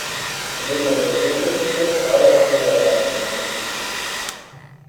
Sie wird mit der äthiopischen Schrift, aber auch mit der arabischen Schrift geschrieben.